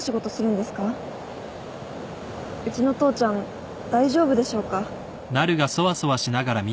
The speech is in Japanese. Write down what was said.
うちの父ちゃん大丈夫でしょうか？